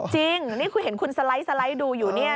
จริงนี่คุณเห็นคุณสไลด์ดูอยู่เนี่ย